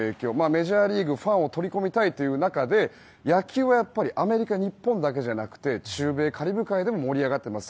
メジャーリーグ、ファンを取り込みたいという中で野球はやっぱりアメリカ、日本だけじゃなく中米カリブ海でも盛り上がっています。